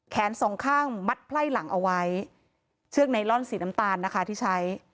สองข้างมัดไพ่หลังเอาไว้เชือกไนลอนสีน้ำตาลนะคะที่ใช้